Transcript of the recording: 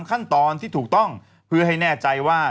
ขั้นตอนที่ถูกต้องเพื่อให้แน่ใจว่า